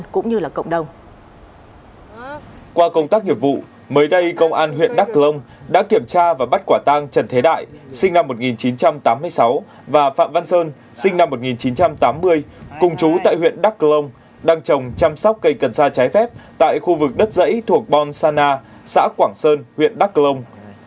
qua công tác nghiệp vụ mới đây công an huyện đắc lông đã kiểm tra và bắt quả tang trần thế đại sinh năm một nghìn chín trăm tám mươi sáu và phạm văn sơn sinh năm một nghìn chín trăm tám mươi cùng chú tại huyện đắc lông đang trồng chăm sóc cây cần sa trái phép tại khu vực đất dãy thuộc bòn sa na xã quảng sơn huyện đắc lông